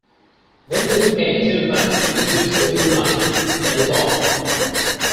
When you pay too much, you lose a little money - that is all.